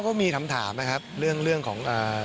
ก็มีคำถามนะครับเรื่องของ